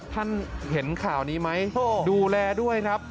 ท่านเห็นข่าวนี้ไหมดูแลด้วยครับ